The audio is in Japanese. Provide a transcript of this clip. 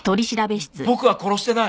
僕は殺してない！